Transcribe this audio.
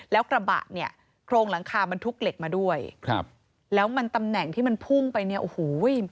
แล้วกระบะเนี่ยโครงหลังคามันทุกเหล็กมาด้วยครับแล้วมันตำแหน่งที่มันพุ่งไปเนี่ยโอ้โห